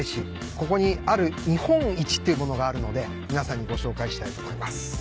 ここにある日本一っていうものがあるので皆さんにご紹介したいと思います。